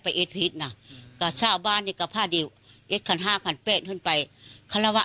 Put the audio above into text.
เผิ่นเยี่ยวอยู่เก่า